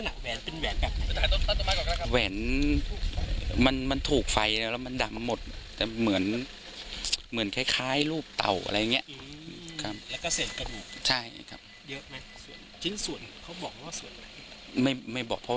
คุณผู้ชมครับจากข้อมูลของตำรวจพบนะครับว่า